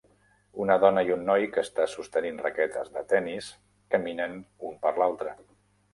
Una dona i un noi que està sostenint raquetes de tennis caminen un per l'altre.